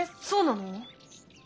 そうなの？